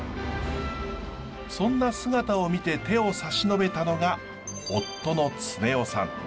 そんな姿を見て手を差し伸べたのが夫の恒雄さん。